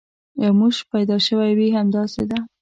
یو موش پیدا شوی وي، همداسې ده.